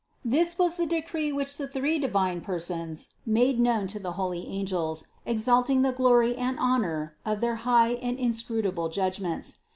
196. This was the decree which the three divine Per sons made known to the holy angels, exalting the glory and honor of their high and inscrutable judgments.